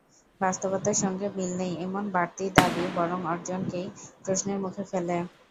বাস্তবতার সঙ্গে মিল নেই, এমন বাড়তি দাবি বরং অর্জনকেই প্রশ্নের মুখে ফেলে।